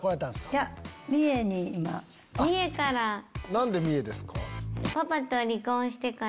何で三重ですか？